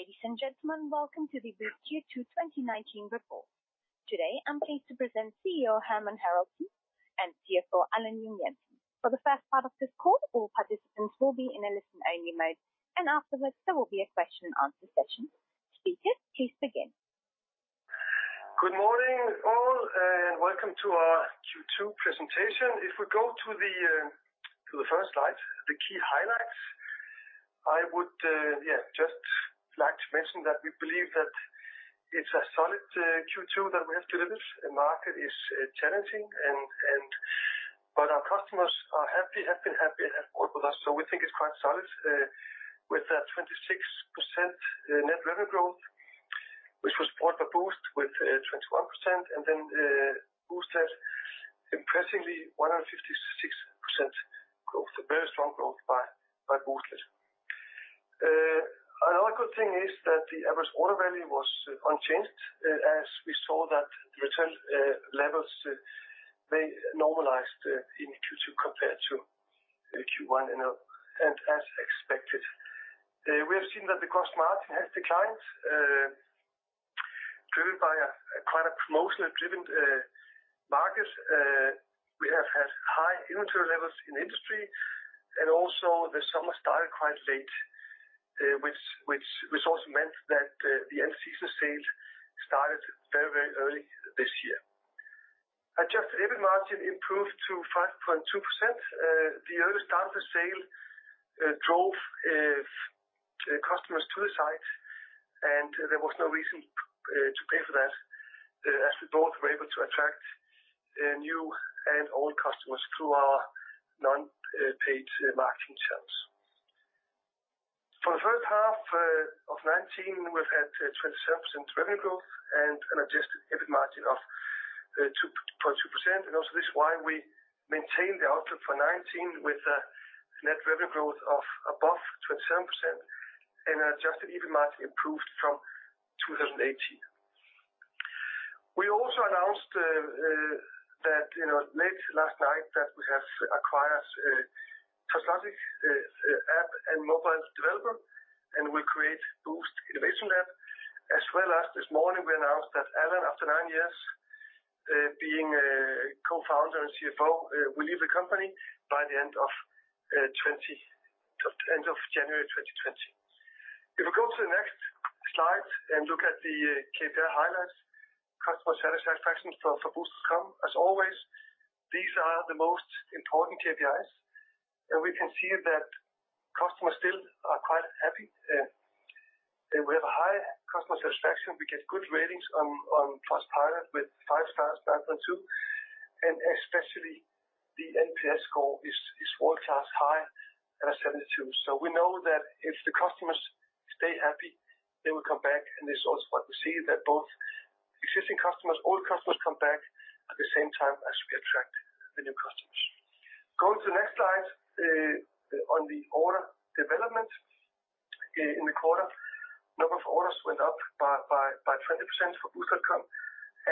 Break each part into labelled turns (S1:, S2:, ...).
S1: Ladies and gentlemen, welcome to the Boozt Q2 2019 report. Today, I'm pleased to present CEO Hermann Haraldsson, and CFO Allan Junge-Jensen. For the first part of this call, all participants will be in a listen-only mode, and afterwards, there will be a question and answer session. Speakers, please begin.
S2: Good morning, all, and welcome to our Q2 presentation. If we go to the first slide, the key highlights, I would, yeah, just like to mention that we believe that it's a solid Q2 that we have delivered. The market is challenging and but our customers are happy, have been happy and have ordered with us. So we think it's quite solid, with a 26% net revenue growth, which was brought by Boozt with 21%, and then, Boozt has impressively 156% growth. A very strong growth by Booztled. Another good thing is that the average order value was unchanged, as we saw that return levels, they normalized, in Q2 compared to Q1, and as expected. We have seen that the gross margin has declined, driven by a quite promotionally driven market. We have had high inventory levels in industry, and also the summer started quite late, which also meant that the end-of-season sale started very, very early this year. Adjusted EBIT margin improved to 5.2%. The early start of the sale drove customers to the site, and there was no reason to pay for that, as we both were able to attract new and old customers through our non-paid marketing channels. For the first half of 2019, we've had 27% revenue growth and an Adjusted EBIT margin of 2.2%. Also this is why we maintained the outlook for 2019, with a net revenue growth of above 27% and Adjusted EBIT margin improved from 2018. We also announced that, you know, late last night that we have acquired TouchLogic, app and mobile developer, and we create Boozt Innovation Lab. As well as this morning, we announced that Allan, after 9 years, being a co-founder and CFO, will leave the company by the end of January 2020. If we go to the next slide and look at the KPI highlights, customer satisfaction for Boozt.com. As always, these are the most important KPIs, and we can see that customers still are quite happy. And we have a high customer satisfaction. We get good ratings on Trustpilot with five stars, 5.2, and especially the NPS score is world-class high at 72. So we know that if the customers stay happy, they will come back. And this is also what we see, that both existing customers, old customers, come back at the same time as we attract the new customers. Go to the next slide on the order development. In the quarter, number of orders went up by twenty percent for Boozt.com,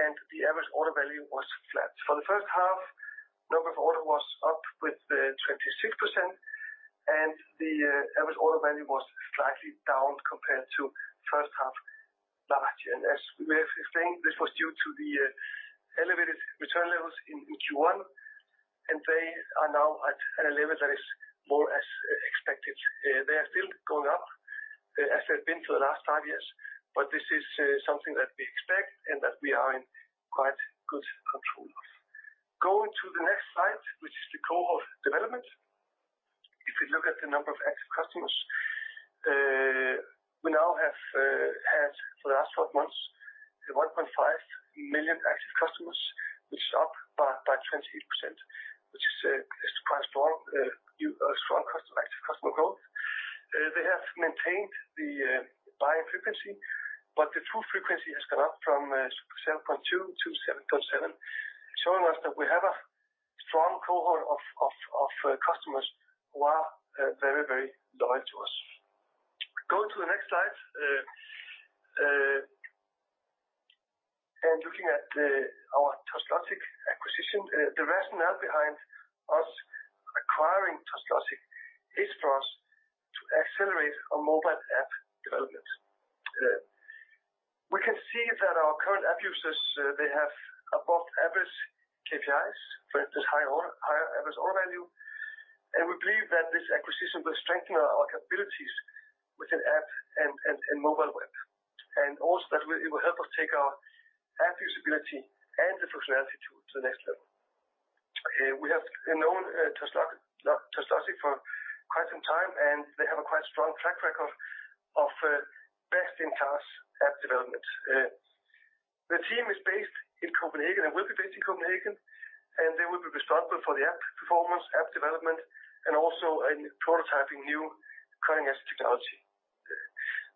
S2: and the average order value was flat. For the first half, number of order was up with twenty-six percent and the average order value was slightly down compared to first half last year. As we have been saying, this was due to the elevated return levels in Q1, and they are now at a level that is more as expected. They are still going up, as they've been for the last five years, but this is something that we expect and that we are in quite good control of. Going to the next slide, which is the cohort development. If we look at the number of active customers, we now have had for the last 12 months, 1.5 million active customers, which is up by 28%, which is quite strong new strong customer active customer growth. They have maintained the buying frequency, but the true frequency has gone up from 7.2 to 7.7, showing us that we have a strong cohort of customers who are very, very loyal to us. Going to the next slide and looking at our TouchLogic acquisition. The rationale behind us acquiring TouchLogic is for us to accelerate our mobile app development. We can see that our current app users they have above average KPIs, for instance, higher order, higher average order value, and we believe that this acquisition will strengthen our capabilities with an app and mobile web, and also that will it will help us take our app usability and the functionality to the next level. We have known TouchLogic for quite some time, and they have a quite strong track record of best-in-class app development. The team is based in Copenhagen and will be based in Copenhagen, and they will be responsible for the app performance, app development, and also in prototyping new cutting-edge technology.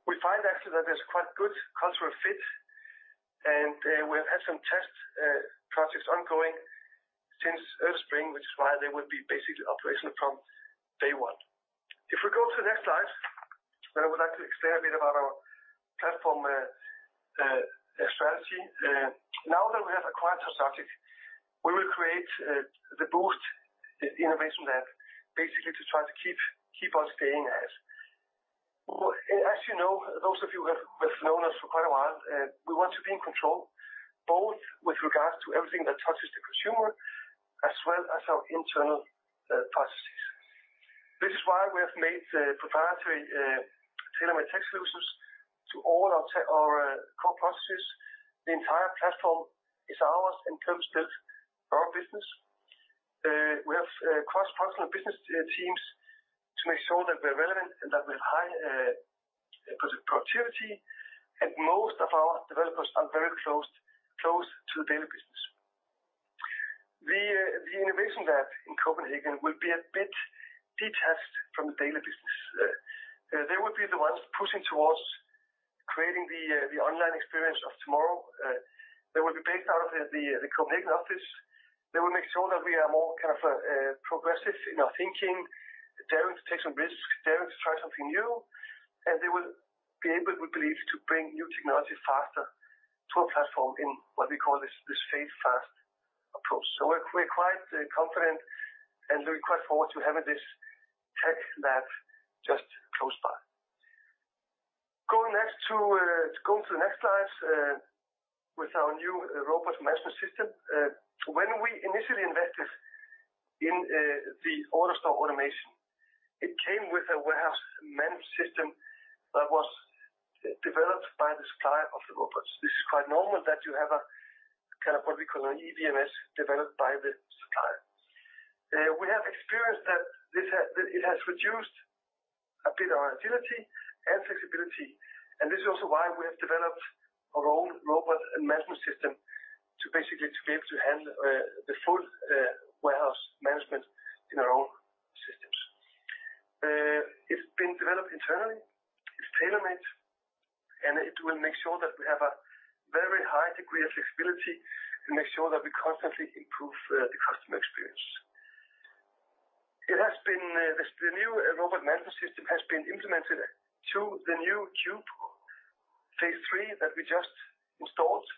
S2: We find actually that there's quite good cultural fit, and we've had some test projects ongoing since early spring, which is why they would be basically operational from day one. If we go to the next slide, I would like to explain a bit about our platform strategy. Now that we have acquired TouchLogic, we will create the Boozt Innovation Lab, basically to try to keep us staying ahead. Well, as you know, those of you who have, who have known us for quite a while, we want to be in control, both with regards to everything that touches the consumer as well as our internal processes. This is why we have made the proprietary tailor-made tech solutions to all our core processes. The entire platform is ours and custom-built for our business. We have cross-functional business teams to make sure that we're relevant and that with high productivity, and most of our developers are very close, close to the daily business. The innovation lab in Copenhagen will be a bit detached from the daily business. They will be the ones pushing towards creating the online experience of tomorrow. They will be based out of the Copenhagen office. They will make sure that we are more kind of progressive in our thinking, daring to take some risks, daring to try something new, and they will be able, we believe, to bring new technologies faster to a platform in what we call this, this fail-fast approach. So we're quite confident and looking quite forward to having this tech lab just close by. Going next to go to the next slide with our new robot management system. When we initially invested in the AutoStore automation, it came with a warehouse management system that was developed by the supplier of the robots. This is quite normal that you have a kind of what we call an EWMS, developed by the supplier. We have experienced that this has, it has reduced a bit our agility and flexibility, and this is also why we have developed our own robot management system to basically be able to handle the full warehouse management in our own systems. It's been developed internally, it's tailor-made, and it will make sure that we have a very high degree of flexibility and make sure that we constantly improve the customer experience. It has been, this, the new robot management system has been implemented to the new cube, Phase III, that we just installed,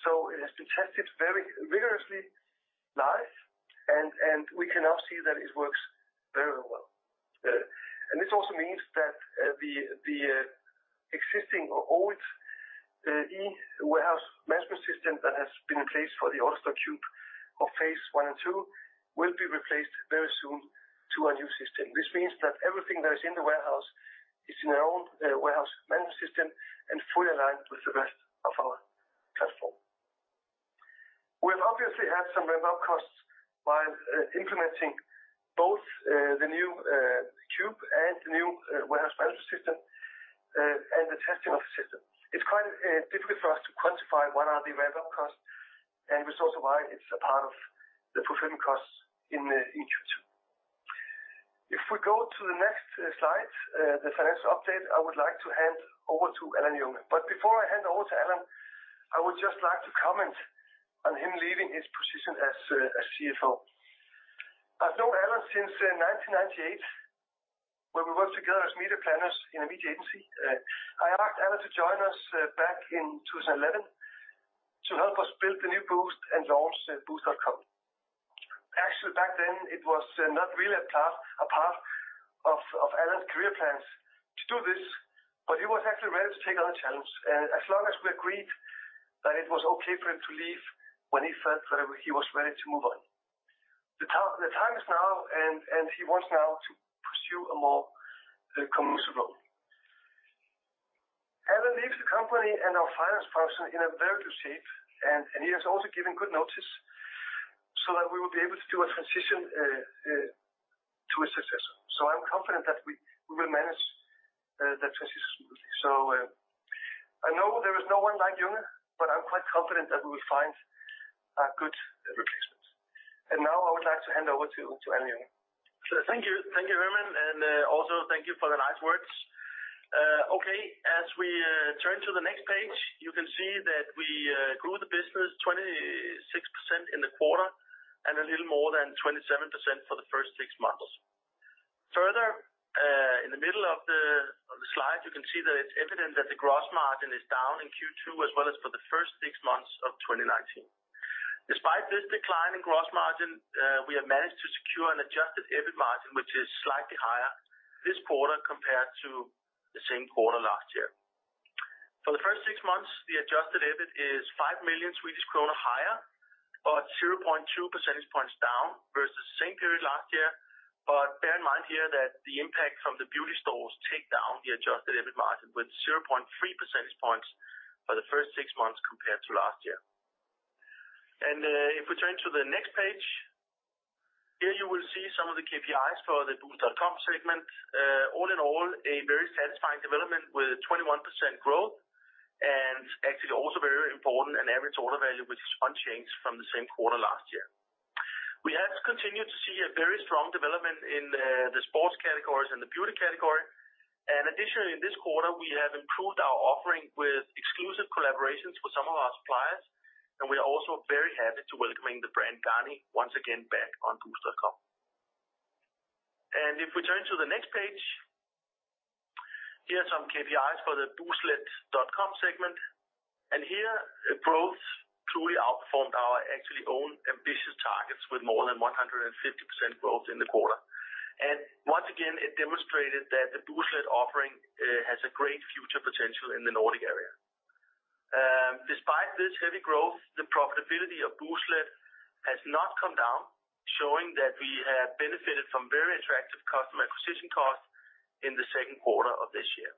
S2: so it has been tested very vigorously, live, and we can now see that it works very well. This also means that the existing or old e-warehouse management system that has been in place for the order cube of Phase I and II will be replaced very soon to a new system. This means that everything that is in the warehouse is in our own warehouse management system and fully aligned with the rest of our platform. We've obviously had some ramp-up costs by implementing both the new cube and the new warehouse management system, and the testing of the system. It's quite difficult for us to quantify what are the ramp-up costs, and it's also why it's a part of the fulfillment costs in Q2. If we go to the next slide, the financial update, I would like to hand over to Allan Junge-Jensen. But before I hand over to Allan, I would just like to comment on him leaving his position as CFO. I've known Allan since 1998, where we worked together as media planners in a media agency. I asked Allan to join us back in 2011 to help us build the new Boozt and launch the Boozt.com. Actually, back then, it was not really a part of Allan's career plans to do this, but he was actually ready to take on the challenge. And as long as we agreed that it was okay for him to leave when he felt that he was ready to move on. The time is now, and he wants now to pursue a more commercial role. Allan leaves the company and our finance function in a very good shape, and he has also given good notice so that we will be able to do a transition to his successor. So I'm confident that we will manage that transition smoothly. So I know there is no one like Junge-Jensen, but I'm quite confident that we will find a good replacement. And now I would like to hand over to Allan Junge-Jensen.
S3: Thank you. Thank you, Hermann, and also thank you for the nice words. Okay, as we turn to the next page, you can see that we grew the business 26% in the quarter and a little more than 27% for the first six months. Further, in the middle of the slide, you can see that it's evident that the gross margin is down in Q2, as well as for the first six months of 2019. Despite this decline in gross margin, we have managed to secure an Adjusted EBIT margin, which is slightly higher this quarter compared to the same quarter last year. For the first six months, the Adjusted EBIT is 5 million Swedish kronor higher, but 0.2 percentage points down versus the same period last year. Bear in mind here that the impact from the beauty stores take down the Adjusted EBIT margin with 0.3 percentage points for the first six months compared to last year. If we turn to the next page, here you will see some of the KPIs for the Boozt.com segment. All in all, a very satisfying development with 21% growth, and actually also very important, an average order value, which is unchanged from the same quarter last year. We have continued to see a very strong development in the sports categories and the beauty category. Additionally, in this quarter, we have improved our offering with exclusive collaborations with some of our suppliers, and we are also very happy to welcoming the brand Garnier once again back on Boozt.com. If we turn to the next page, here are some KPIs for the Booztlet.com segment, and here, growth truly outperformed our actually own ambitious targets with more than 150% growth in the quarter. And once again, it demonstrated that the Booztlet offering has a great future potential in the Nordic area. Despite this heavy growth, the profitability of Booztlet has not come down, showing that we have benefited from very attractive customer acquisition costs in the second quarter of this year.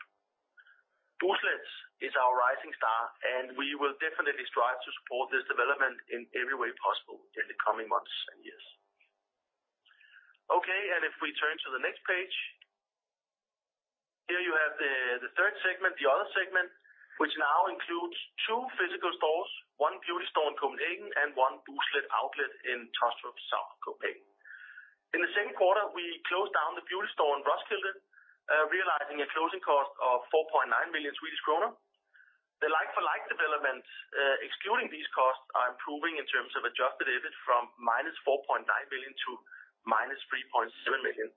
S3: Booztlet is our rising star, and we will definitely strive to support this development in every way possible in the coming months and years. Okay, and if we turn to the next page, here you have the third segment, the other segment, which now includes two physical stores, one beauty store in Copenhagen, and one Booztlet outlet in Taastrup, South Copenhagen. In the second quarter, we closed down the beauty store in Roskilde, realizing a closing cost of 4.9 million Swedish kronor. The like-for-like developments, excluding these costs, are improving in terms of Adjusted EBIT from -4.9 million to -3.7 million.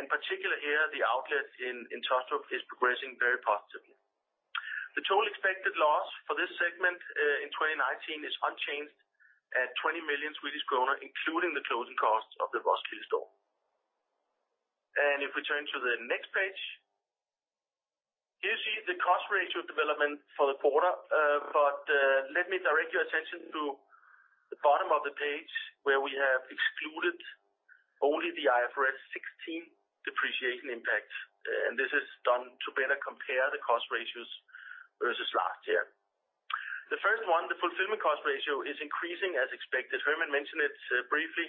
S3: And particularly here, the outlet in Taastrup is progressing very positively. The total expected loss for this segment, in 2019 is unchanged at 20 million Swedish kronor, including the closing costs of the Roskilde store. And if we turn to the next page, here you see the cost ratio development for the quarter. But, let me direct your attention to the bottom of the page, where we have excluded only the IFRS 16 depreciation impact, and this is done to better compare the cost ratios versus last year. The first one, the fulfillment cost ratio, is increasing as expected. Hermann mentioned it briefly,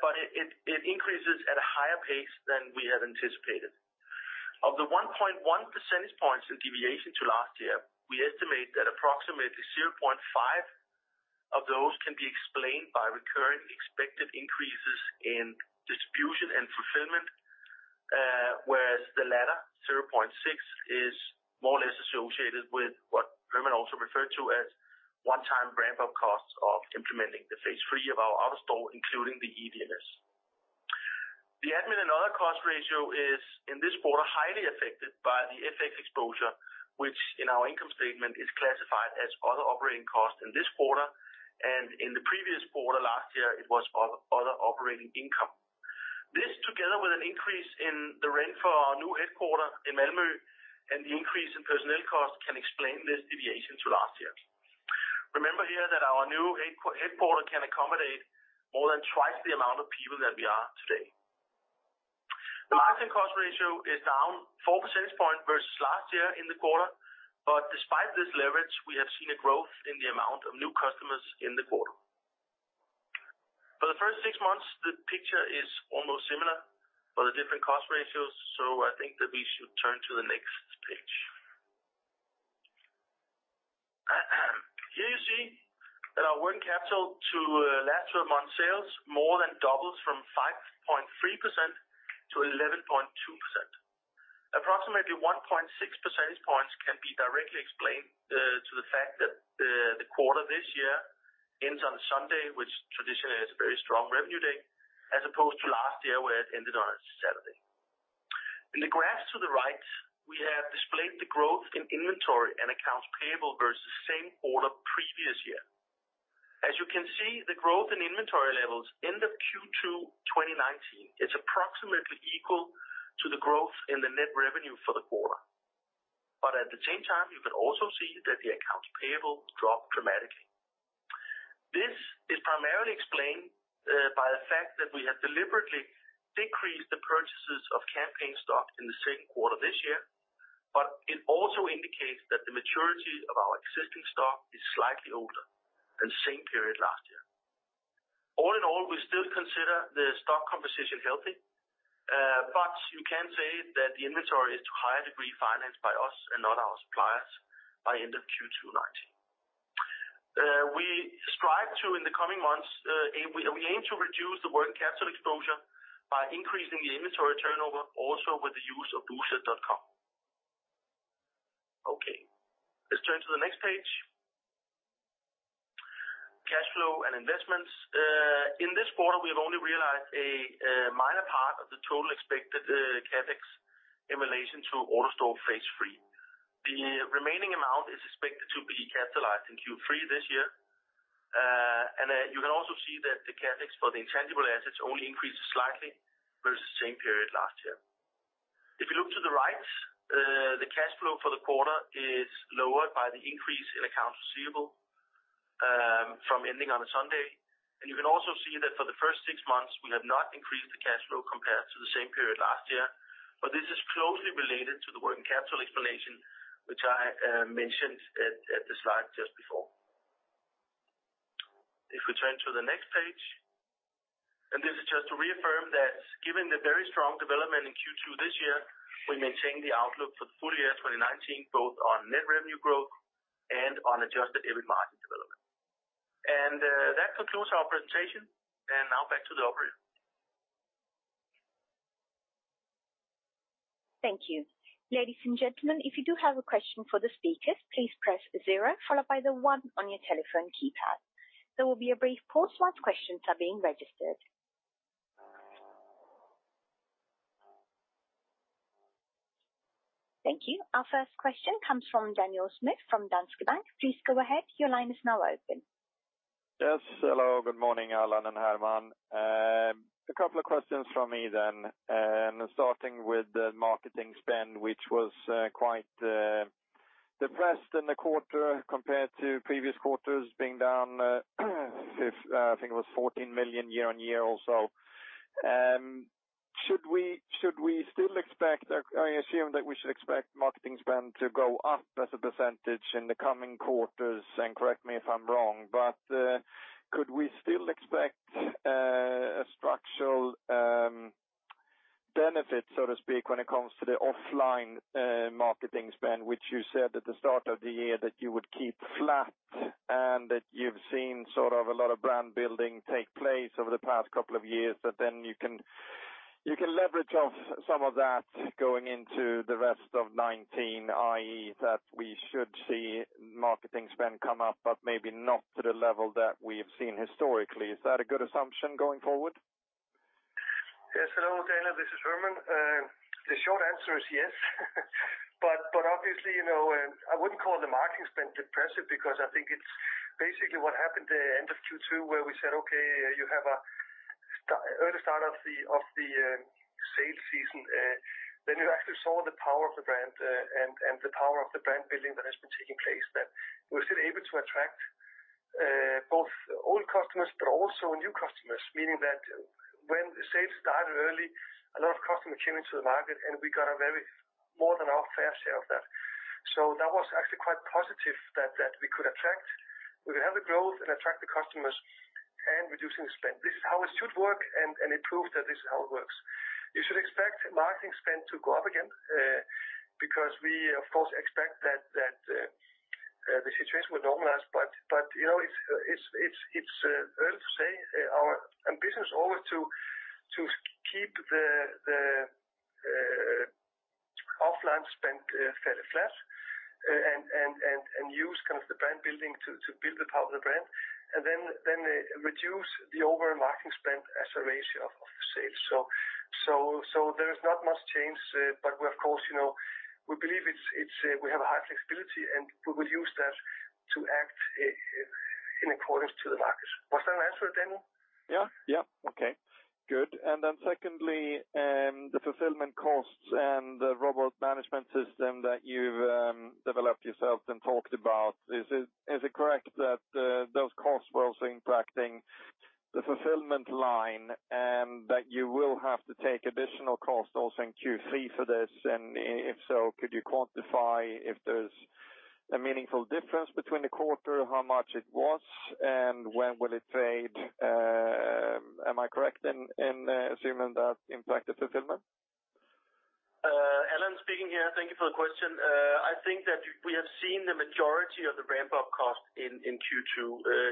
S3: but it increases at a higher pace than we had anticipated. Of the 1.1 percentage points in deviation to last year, we estimate that approximately 0.5 of those can be explained by recurring expected increases in distribution and fulfillment, whereas the latter, 0.6, is more or less associated with what Hermann also referred to as one-time ramp-up costs of implementing the Phase III of AutoStore, including the EWMS. The admin and other cost ratio is, in this quarter, highly affected by the FX exposure, which in our income statement, is classified as other operating costs in this quarter, and in the previous quarter, last year, it was other operating income. This, together with an increase in the rent for our new headquarters in Malmö and the increase in personnel costs, can explain this deviation to last year. Remember here that our new headquarters can accommodate more than twice the amount of people than we are today. The margin cost ratio is down four percentage points versus last year in the quarter. But despite this leverage, we have seen a growth in the amount of new customers in the quarter. For the first six months, the picture is almost similar for the different cost ratios, so I think that we should turn to the next page. Here you see that our working capital to last month sales more than doubles from 5.3% to 11.2%. Approximately 1.6 % points can be directly explained to the fact that the quarter this year ends on a Sunday, which traditionally is a very strong revenue day, as opposed to last year, where it ended on a Saturday. In the graphs to the right, we have displayed the growth in inventory and accounts payable versus same quarter previous year. As you can see, the growth in inventory levels end of Q2 2019 is approximately equal to the growth in the net revenue for the quarter. But at the same time, you can also see that the accounts payable dropped dramatically. This is primarily explained by the fact that we have deliberately decreased the purchases of campaign stock in the second quarter this year, but it also indicates that the maturity of our existing stock is slightly older than the same period last year. All in all, we still consider the stock composition healthy, but you can say that the inventory is to a higher degree financed by us and not our suppliers by end of Q2 2019. We strive to, in the coming months, we aim to reduce the working capital exposure by increasing the inventory turnover, also with the use of BOOZLET.COM Okay, let's turn to the next page. Cash flow and investments. In this quarter, we have only realized a minor part of the total expected CapEx in relation to AutoStore Phase III. The remaining amount is expected to be capitalized in Q3 this year. And you can also see that the CapEx for the intangible assets only increases slightly versus the same period last year. If you look to the right, the cash flow for the quarter is lowered by the increase in accounts receivable from ending on a Sunday. You can also see that for the first 6 months, we have not increased the cash flow compared to the same period last year, but this is closely related to the working capital explanation, which I mentioned at the slide just before. If we turn to the next page, this is just to reaffirm that given the very strong development in Q2 this year, we maintain the outlook for the full year 2019, both on net revenue growth and on Adjusted EBIT margin development. That concludes our presentation. Now back to the operator.
S1: Thank you. Ladies and gentlemen, if you do have a question for the speakers, please press zero followed by the one on your telephone keypad. There will be a brief pause while questions are being registered. Thank you. Our first question comes from Daniel Schmidt from Danske Bank. Please go ahead. Your line is now open.
S4: Yes, hello, good morning, Allan and Hermann. A couple of questions from me then, and starting with the marketing spend, which was quite depressed in the quarter compared to previous quarters, being down 5%, I think it was 14 million year-over-year or so. Should we still expect, or I assume that we should expect marketing spend to go up as a percentage in the coming quarters, and correct me if I'm wrong, but could we still expect a structural benefit, so to speak, when it comes to the offline marketing spend, which you said at the start of the year that you would keep flat, and that you've seen sort of a lot of brand building take place over the past couple of years, but then you can leverage off some of that going into the rest of 2019, i.e., that we should see marketing spend come up, but maybe not to the level that we have seen historically. Is that a good assumption going forward?
S2: Yes, hello, Daniel, this is Hermann. The short answer is yes. But obviously, you know, I wouldn't call the marketing spend depressive because I think it's basically what happened at the end of Q2, where we said, okay, you have an early start of the sales season. Then you actually saw the power of the brand and the power of the brand building that has been taking place, that we're still able to attract both old customers, but also new customers, meaning that when the sales started early, a lot of customers came into the market, and we got a very more than our fair share of that. So that was actually quite positive that we could attract. We could have the growth and attract the customers and reducing spend. This is how it should work, and it proved that this is how it works. You should expect marketing spend to go up again, because we, of course, expect that the situation will normalize. But you know, it's early to say, our ambition is always to keep the offline spend fairly flat, and use kind of the brand building to build the power of the brand, and then reduce the overall marketing spend as a ratio of the sales. So there is not much change, but we, of course, you know, we believe it's we have a high flexibility, and we will use that to act in accordance to the market. Was that an answer, Daniel?
S4: Yeah, yeah. Okay, good. And then secondly, the fulfillment costs and the robot management system that you've developed yourself and talked about, is it correct that those costs were also impacting the fulfillment line, and that you will have to take additional costs also in Q3 for this? And if so, could you quantify if there's a meaningful difference between the quarter, how much it was, and when will it trade? Am I correct in assuming that impacted fulfillment?
S3: Allan, speaking here. Thank you for the question. I think that we have seen the majority of the ramp-up cost in Q2,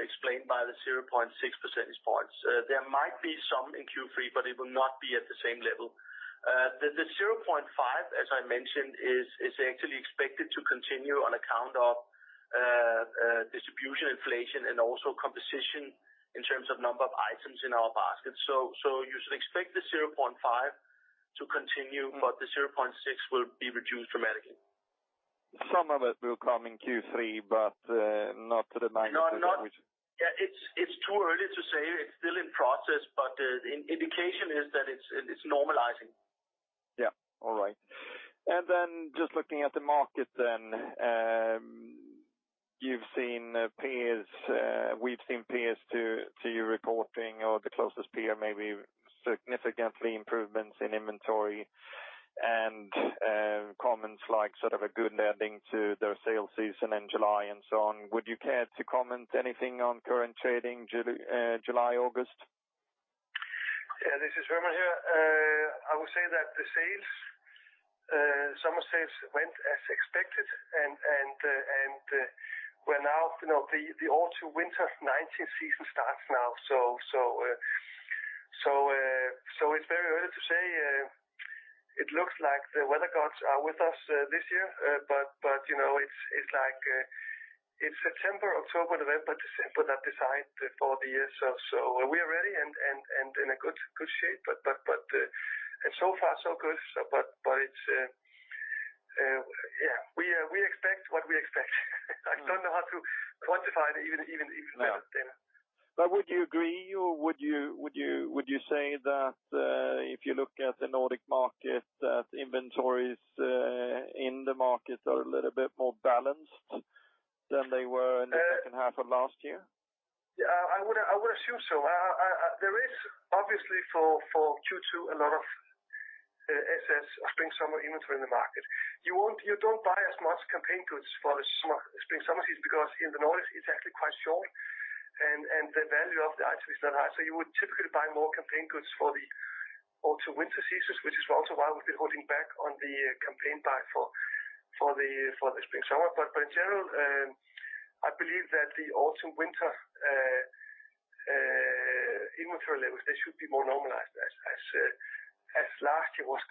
S3: explained by the 0.6 percentage points. There might be some in Q3, but it will not be at the same level. The 0.5, as I mentioned, is actually expected to continue on account of distribution, inflation, and also composition in terms of number of items in our basket. So you should expect the 0.5 to continue, but the 0.6 will be reduced dramatically.
S4: Some of it will come in Q3, but, not to the magnitude-
S3: No. Yeah, it's too early to say. It's still in process, but the indication is that it's normalizing.
S4: Yeah. All right. And then just looking at the market then, you've seen peers, we've seen peers to your reporting or the closest peer, maybe significantly improvements in inventory and comments like sort of a good ending to their sales season in July and so on. Would you care to comment anything on current trading July, August?
S2: Yeah, this is Hermann here. I would say that the sales, summer sales went as expected and we're now, you know, the autumn-winter 19 season starts now. So it's very early to say. It looks like the weather gods are with us this year. But you know, it's like it's September, October, November, December that decide for the years. So we are ready and in a good shape, but so far so good. But it's yeah, we expect what we expect. I don't know how to quantify it even better.
S4: But would you agree or would you say that if you look at the Nordic market, that inventories in the market are a little bit more balanced than they were in the second half of last year?
S2: Yeah, I would assume so. There is obviously for Q2 a lot of excess spring, summer inventory in the market. You don't buy as much campaign goods for the spring, summer season, because in the north, it's actually quite short, and the value of the item is not high. So you would typically buy more campaign goods for the autumn, winter seasons, which is also why we've been holding back on the campaign buy for the spring, summer. But in general, I believe that the autumn, winter inventory levels, they should be more normalized as last year was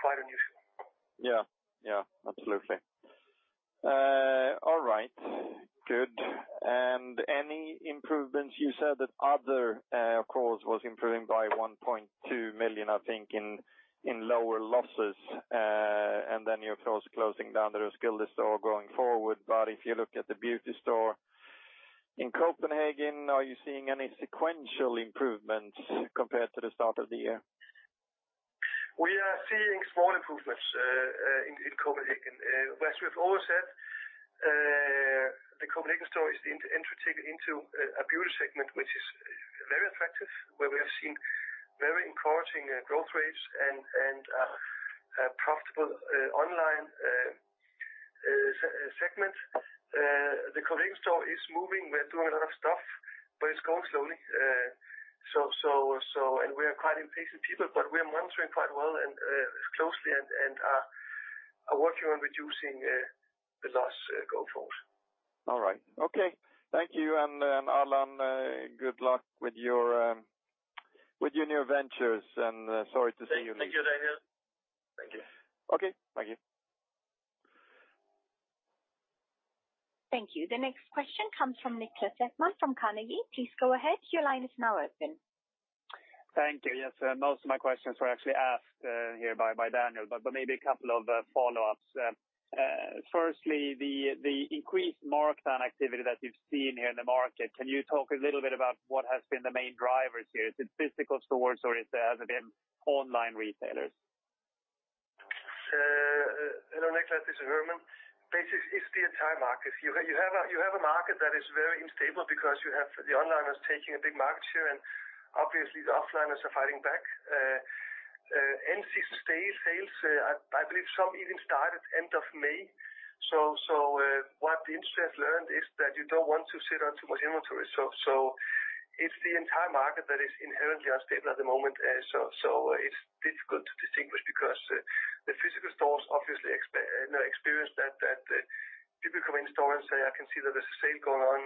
S2: quite unusual.
S4: Yeah, yeah, absolutely. All right, good. And any improvements, you said that other, of course, was improving by 1.2 million, I think, in, in lower losses, and then you're, of course, closing down the Roskilde store going forward. But if you look at the beauty store in Copenhagen, are you seeing any sequential improvements compared to the start of the year?
S2: We are seeing small improvements in Copenhagen. As we've always said, the Copenhagen store is entered into a beauty segment, which is very attractive, where we have seen very encouraging growth rates and a profitable segment. The Copenhagen store is moving. We're doing a lot of stuff, but it's going slowly. And we are quite impatient people, but we are monitoring quite well and closely and are working on reducing the loss going forward.
S4: All right. Okay. Thank you, and, Allan, good luck with your new ventures, and, sorry to see you leave.
S2: Thank you, Daniel. Thank you.
S4: Okay, thank you.
S1: Thank you. The next question comes from Nicklas Ekman from Carnegie. Please go ahead. Your line is now open.
S5: Thank you. Yes, most of my questions were actually asked here by Daniel, but maybe a couple of follow-ups. Firstly, the increased markdown activity that you've seen here in the market, can you talk a little bit about what has been the main drivers here? Is it physical stores or has it been online retailers?
S2: Hello, Nicklas, this is Hermann. Basically, it's the entire market. You have a market that is very unstable because you have the onliners taking a big market share, and obviously, the offliners are fighting back. End season sales, I believe some even start at end of May. What the industry has learned is that you don't want to sit on too much inventory. It's the entire market that is inherently unstable at the moment. It's difficult to distinguish because the physical stores obviously experience that people come in store and say, "I can see that there's a sale going on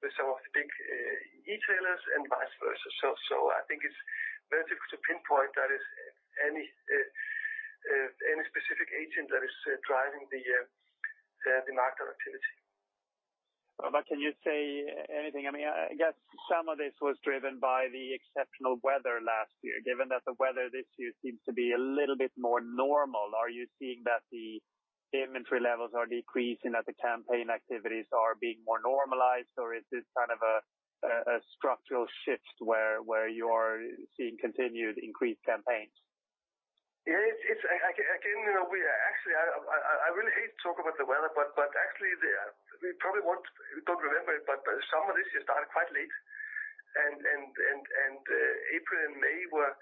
S2: with some of the big e-tailers," and vice versa. So, I think it's very difficult to pinpoint that is any specific agent that is driving the market activity.
S5: Can you say anything? I mean, I guess some of this was driven by the exceptional weather last year, given that the weather this year seems to be a little bit more normal. Are you seeing that the inventory levels are decreasing, that the campaign activities are being more normalized, or is this kind of a structural shift where you are seeing continued increased campaigns?
S2: Yeah, it's I again, you know, we actually really hate to talk about the weather, but actually, we probably want—don't remember it, but some of this year started quite late, and April and May were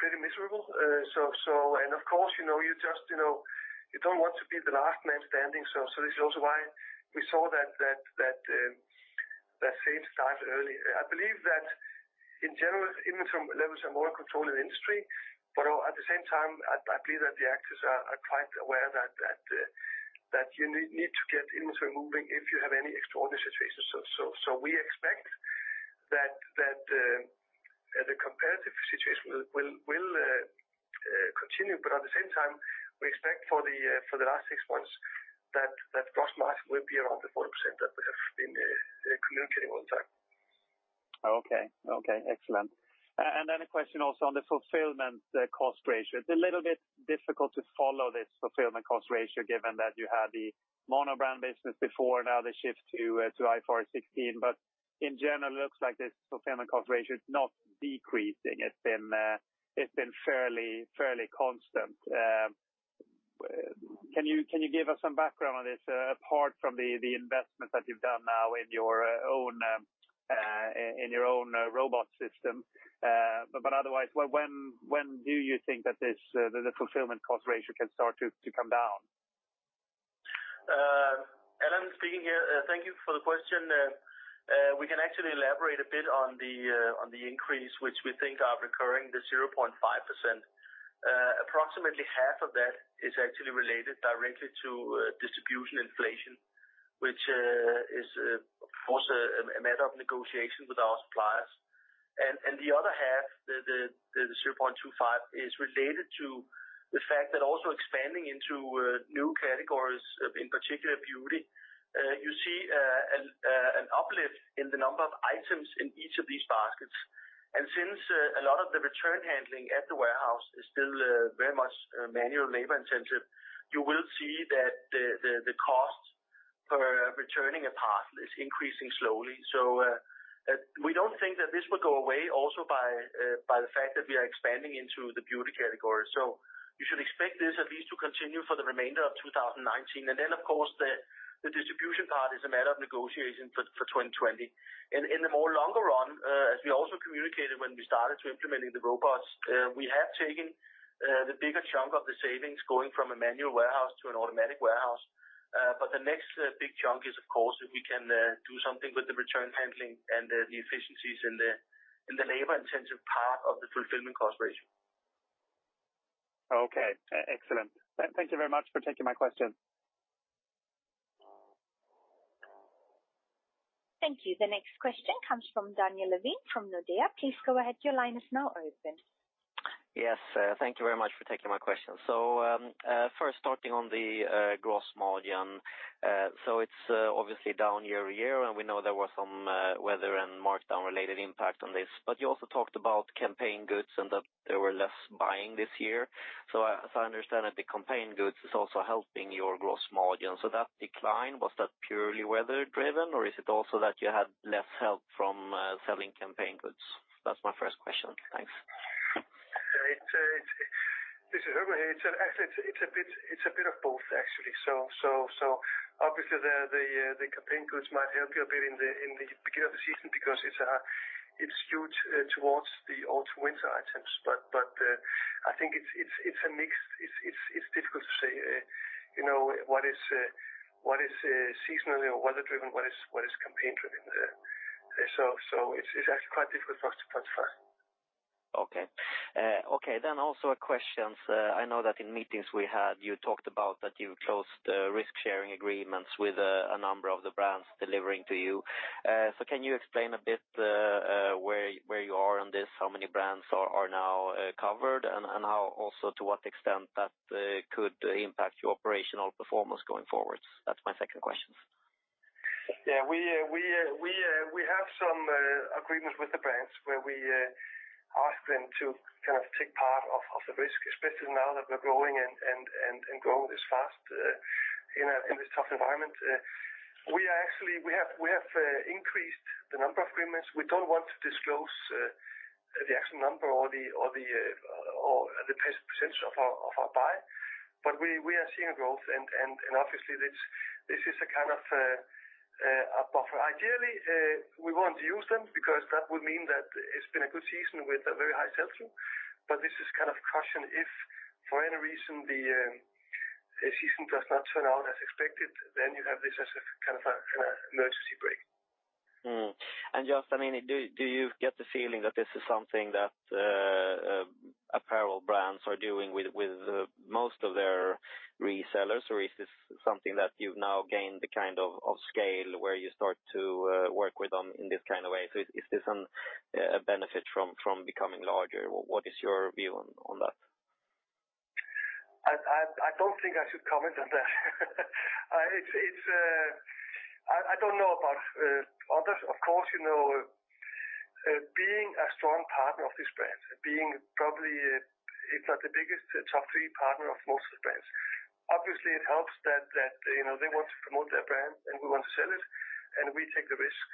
S2: pretty miserable. And of course, you know, you just, you know, you don't want to be the last man standing. So this is also why we saw that sales started early. I believe that in general, inventory levels are more controlled in the industry, but at the same time, I believe that the actors are quite aware that you need to get inventory moving if you have any extraordinary situations. So we expect that the competitive situation will continue, but at the same time, we expect for the last six months that gross margin will be around 4% that we have been communicating all the time.
S5: Okay. Okay, excellent. And then a question also on the Fulfillment Cost Ratio. It's a little bit difficult to follow this Fulfillment Cost Ratio, given that you had the monobrand business before, now the shift to to IFRS 16. But in general, it looks like this Fulfillment Cost Ratio is not decreasing. It's been, it's been fairly, fairly constant. Can you, can you give us some background on this, apart from the the investment that you've done now in your own, in your own robot system? But, otherwise, when do you think that this the Fulfillment Cost Ratio can start to to come down?
S2: Allan speaking here. Thank you for the question. We can actually elaborate a bit on the increase, which we think are recurring, the 0.5%. Approximately half of that is actually related directly to distribution inflation, which is, of course, a matter of negotiation with our suppliers. And the other half, the 0.25, is related to the fact that also expanding into new categories, in particular, beauty, you see an uplift in the number of items in each of these baskets. And since a lot of the return handling at the warehouse is still very much manual labor-intensive, you will see that the cost per returning a parcel is increasing slowly. So, we don't think that this will go away also by the fact that we are expanding into the beauty category. So you should expect this at least to continue for the remainder of 2019. And then, of course, the distribution part is a matter of negotiation for 2020. And in the more longer run, as we also communicated when we started to implementing the robots, we have taken the bigger chunk of the savings going from a manual warehouse to an automatic warehouse. But the next big chunk is, of course, if we can do something with the return handling and the efficiencies in the labor-intensive part of the Fulfillment Cost Ratio.
S4: Okay, excellent. Thank you very much for taking my question.
S1: Thank you. The next question comes from Daniel Ovin, from Nordea. Please go ahead. Your line is now open.
S6: Yes, thank you very much for taking my question. So, first starting on the gross margin. So it's obviously down year-over-year, and we know there were some weather and markdown related impact on this, but you also talked about campaign goods, and that there were less buying this year. So as I understand it, the campaign goods is also helping your gross margin. So that decline, was that purely weather driven, or is it also that you had less help from selling campaign goods? That's my first question. Thanks.
S2: It's actually a bit of both, actually. So obviously, the campaign goods might help you a bit in the beginning of the season, because it's huge towards the autumn, winter items. But I think it's a mix. It's difficult to say, you know, what is seasonal or weather driven, what is campaign driven? So it's actually quite difficult for us to quantify.
S6: Okay. Okay, then also a question. I know that in meetings we had, you talked about that you closed risk sharing agreements with a number of the brands delivering to you. So can you explain a bit where you are on this, how many brands are now covered, and how also, to what extent that could impact your operational performance going forward? That's my second question.
S2: Yeah, we have some agreements with the brands where we ask them to kind of take part of the risk, especially now that we're growing and growing this fast in this tough environment. We are actually. We have increased the number of agreements. We don't want to disclose the actual number or the percentage of our buy, but we are seeing a growth, and obviously, this is a kind of a buffer. Ideally, we want to use them because that would mean that it's been a good season with a very high sell-through, but this is kind of caution if for any reason the, the season does not turn out as expected, then you have this as a kind of a, emergency brake.
S6: Hmm. And just, I mean, do you get the feeling that this is something that apparel brands are doing with most of their resellers, or is this something that you've now gained the kind of scale where you start to work with them in this kind of way? So is this a benefit from becoming larger? What is your view on that?
S2: I don't think I should comment on that. It's... I don't know about others. Of course, you know, being a strong partner of this brand, being probably, if not the biggest, top three partner of most of the brands, obviously it helps that, you know, they want to promote their brand and we want to sell it, and we take the risk,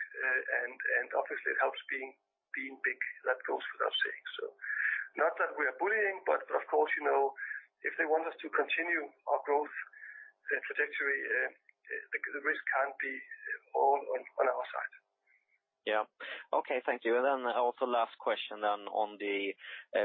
S2: and obviously, it helps being big. That goes without saying. So not that we are bullying, but of course, you know, if they want us to continue our growth, then trajectory, the risk can't be all on our side.
S6: Yeah. Okay, thank you. And then also last question then on the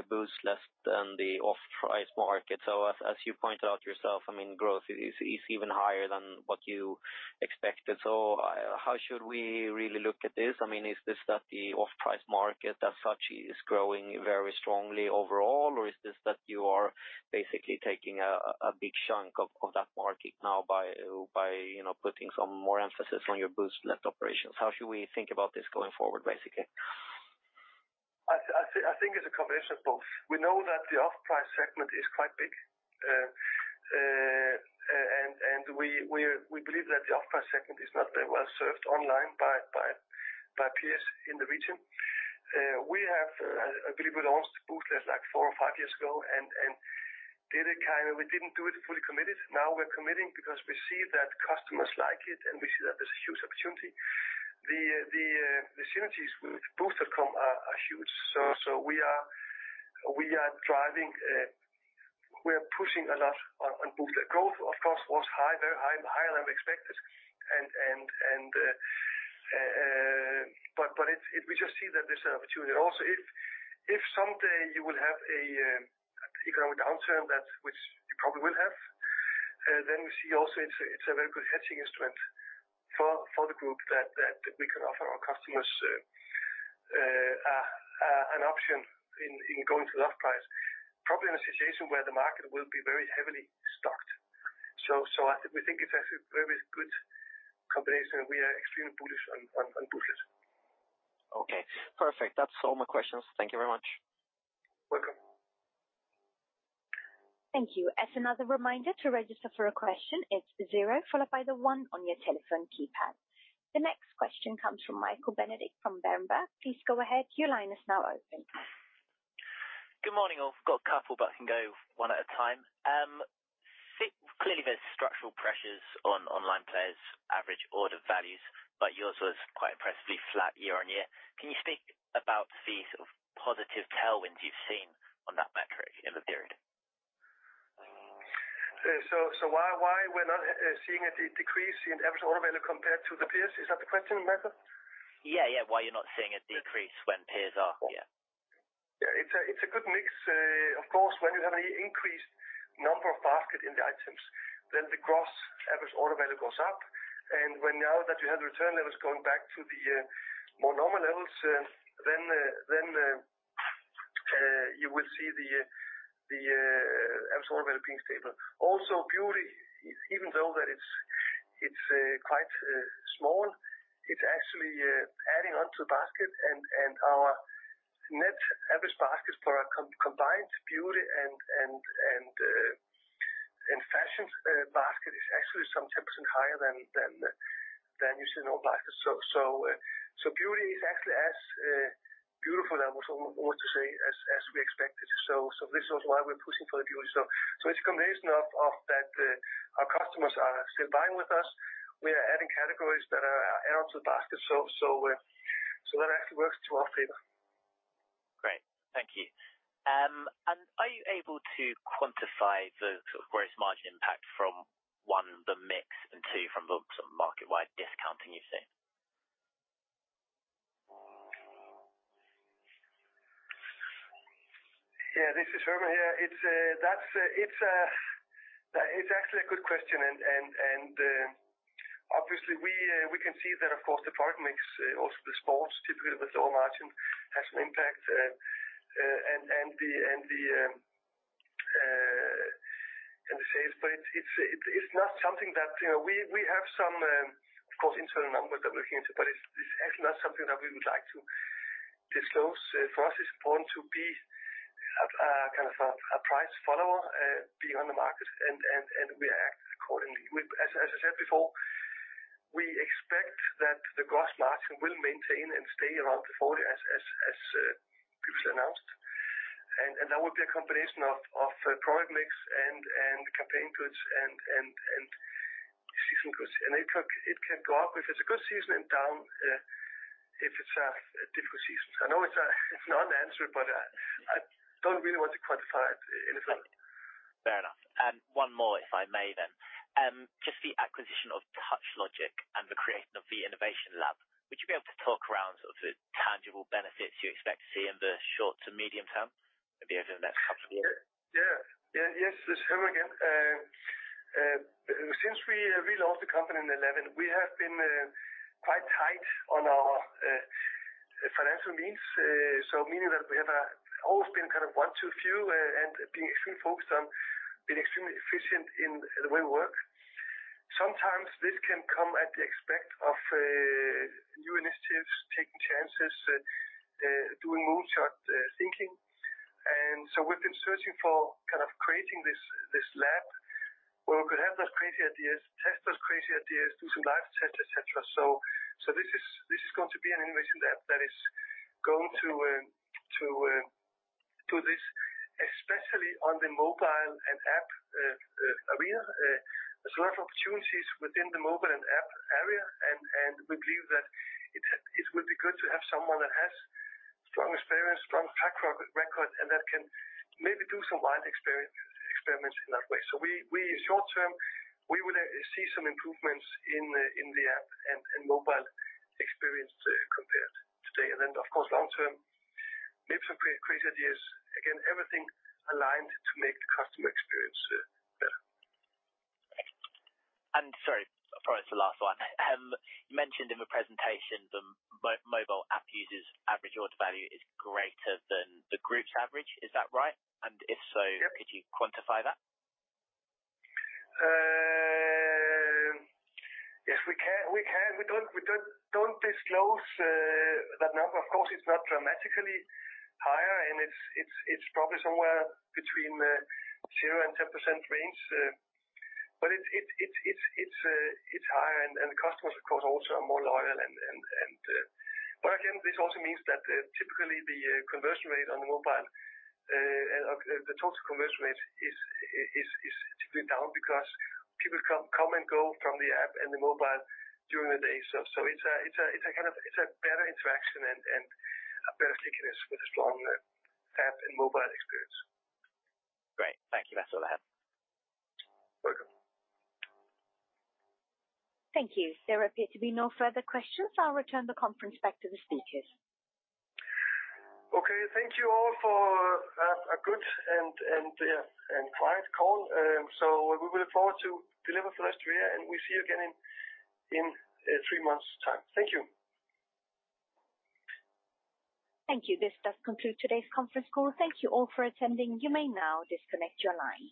S6: BOOZLET.COM and the off-price market. So as you pointed out yourself, I mean, growth is even higher than what you expected. So how should we really look at this? I mean, is this that the off-price market as such is growing very strongly overall, or is this that you are basically taking a big chunk of that market now by you know, putting some more emphasis on your Booztlet operations? How should we think about this going forward, basically?
S2: I think it's a combination of both. We know that the off-price segment is quite big, and we believe that the off-price segment is not very well served online by peers in the region. We have, I believe, launched Boozt like four or five years ago, and did it kind of. We didn't do it fully committed. Now we're committing because we see that customers like it, and we see that there's a huge opportunity. The synergies with Boozt.com are huge. So we are driving, we are pushing a lot on Boozt. The growth, of course, was higher than expected. But we just see that there's an opportunity. Also, if someday you will have a economic downturn, that which you probably will have, then we see also it's a very good hedging instrument for the group that we can offer our customers an option in going to the off-price. Probably in a situation where the market will be very heavily stocked. So I think we think it's a very good combination; we are extremely bullish on Boozt.
S6: Okay, perfect. That's all my questions. Thank you very much.
S2: Welcome.
S1: Thank you. As another reminder, to register for a question, it's zero followed by the one on your telephone keypad. The next question comes from Michael Benedict from Berenberg. Please go ahead. Your line is now open.
S7: Good morning, all. I've got a couple, but I can go one at a time. Clearly, there's structural pressures on online players, average order values, but yours was quite impressively flat year-on-year. Can you speak about the sort of positive tailwinds you've seen on that metric in the period?
S2: So, why we're not seeing a decrease in average order value compared to the peers? Is that the question, Michael?
S7: Yeah, yeah. Why you're not seeing a decrease when peers are? Yeah.
S2: Yeah, it's a good mix. Of course, when you have an increased number of basket in the items, then the gross average automatically goes up, and when now that you have return levels going back to the more normal levels, then you will see the absolute value being stable. Also, beauty, even though that it's quite small, it's actually adding on to the basket, and our net average baskets for our combined beauty and fashion basket is actually some 10% higher than using our baskets. So beauty is actually as beautiful, I want to say, as we expected. So this is why we're pushing for the beauty. So it's a combination of that, our customers are still buying with us. We are adding categories that are add-on to the basket, so that actually works to our favor.
S7: Great. Thank you. And are you able to quantify the gross margin impact from, one, the mix, and two, from the sort of market-wide discounting you've seen?
S2: Yeah, this is Hermann here. It's, that's, it's actually a good question, and obviously, we can see that, of course, the product mix, also the sports, typically with low margin, has an impact, and the sales, but it's not something that, you know, we have some, of course, internal numbers that we're looking into, but it's actually not something that we would like to disclose. For us, it's important to be at, kind of a price follower, be on the market and we act accordingly. As I said before, we expect that the gross margin will maintain and stay around the 40% as previously announced, and that will be a combination of product mix and campaign goods and season goods. It can go up if it's a good season and down if it's a difficult season. I know it's not an answer, but I don't really want to quantify it anything.
S7: Fair enough. One more, if I may, then. Just the acquisition of TouchLogic and the creation of the Innovation Lab. Would you be able to talk around sort of the tangible benefits you expect to see in the short to medium term, maybe over the next couple of years?
S2: Yeah. Yes, this is Hermann again. Since we launched the company in 2011, we have been quite tight on our financial means. So meaning that we have always been kind of one to few, and being extremely focused on being extremely efficient in the way we work. Sometimes this can come at the expense of new initiatives, taking chances, doing moonshot thinking. And so we've been searching for kind of creating this lab where we could have those crazy ideas, test those crazy ideas, do some live tests, et cetera. So this is going to be an innovation lab that is going to this, especially on the mobile and app arena. There's a lot of opportunities within the mobile and app area, and we believe that it would be good to have someone that has strong experience, strong track record, and that can maybe do some wild experiments in that way. So, in short term, we will see some improvements in the app and mobile experience compared today. And then, of course, long term, maybe some great, crazy ideas. Again, everything aligned to make the customer experience better.
S7: Sorry, I promise the last one. You mentioned in the presentation, the mobile app users' average order value is greater than the group's average. Is that right? And if so-
S2: Yep.
S7: Could you quantify that?
S2: Yes, we can. We don't disclose that number. Of course, it's not dramatically higher, and it's probably somewhere between 0% and 10% range, but it's higher, and the customers, of course, also are more loyal. But again, this also means that typically the conversion rate on the mobile, the total conversion rate is typically down because people come and go from the app and the mobile during the day. So it's a kind of better interaction and a better stickiness with a strong app and mobile experience.
S7: Great. Thank you. That's all I have.
S2: Welcome.
S1: Thank you. There appear to be no further questions. I'll return the conference back to the speakers.
S2: Okay. Thank you all for a good and quiet call. So we look forward to deliver for the rest of the year, and we see you again in three months' time. Thank you.
S1: Thank you. This does conclude today's conference call. Thank you all for attending. You may now disconnect your line.